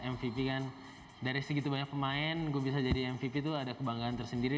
mvp kan dari segitu banyak pemain gue bisa jadi mvp tuh ada kebanggaan tersendiri